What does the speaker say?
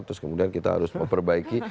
terus kemudian kita harus memperbaiki